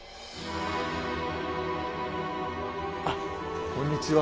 あっこんにちは。